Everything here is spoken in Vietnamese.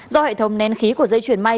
do hệ thống nén khí của dây chuyền may